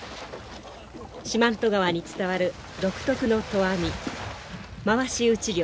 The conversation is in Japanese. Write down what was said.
四万十川に伝わる独特の投網まわしうち漁です。